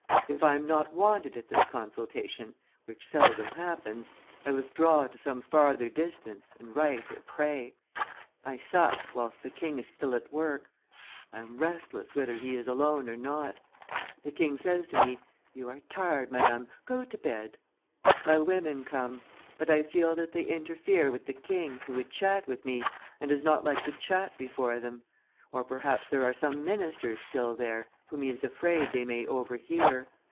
If I am not wanted at this consultation, which seldom happens, I withdraw to some farther distance and write or pray. I sup, whilst the king is still at work. I am restless, whether he is alone or not. The king says to me, 'You are tired, Madame; go to bed.' My women come. But I feel that they interfere with the king, who would chat with me, and does not like to chat before them; or, perhaps, there are some ministers still there, whom he is afraid they may overhear.